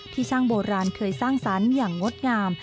ช่างโบราณเคยสร้างสรรค์อย่างงดงาม